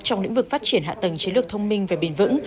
trong lĩnh vực phát triển hạ tầng chiến lược thông minh và bền vững